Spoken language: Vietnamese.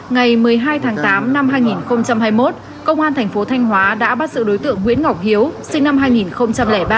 ngày một mươi hai tháng tám năm hai nghìn hai mươi một công an thành phố thanh hóa đã bắt sự đối tượng nguyễn ngọc hiếu sinh năm hai nghìn ba